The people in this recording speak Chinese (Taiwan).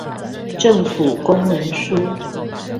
政府公文書